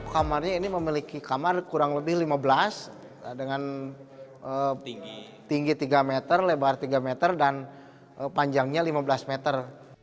kamarnya ini memiliki kamar kurang lebih lima belas dengan tinggi tiga meter lebar tiga meter dan panjangnya lima belas meter